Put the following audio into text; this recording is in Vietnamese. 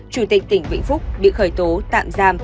chủ tịch tỉnh vĩnh phúc bị khởi tố tạm giam